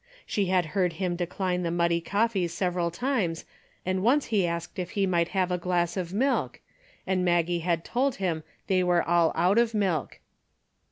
She had heard him decline the muddy coffee several times and once he asked if he might have a glass of milk, and Maggie had told him they were all out of milk.